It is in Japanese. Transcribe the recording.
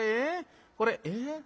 これええ？」。